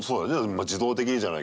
自動的にじゃないけど。